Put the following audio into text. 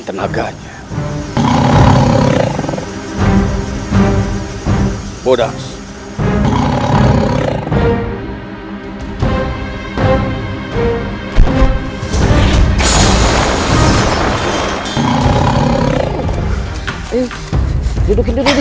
terima kasih atas dukungan anda